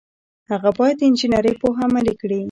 هغه باید د انجنیری پوهه عملي کړي.